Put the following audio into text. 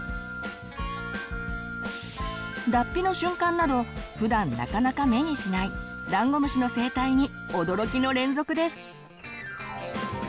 脱皮の瞬間などふだんなかなか目にしないダンゴムシの生態に驚きの連続です。